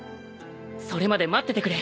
それまで待っててくれ。